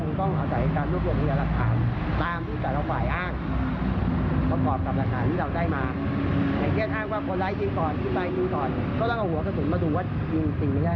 ก็ต้องเอาหัวขนสุนมาดูว่าจริงสิ่งนี้